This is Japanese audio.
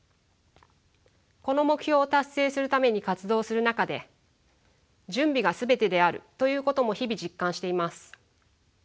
この目標を達成するために活動する中で準備が全てであるということも日々実感しています。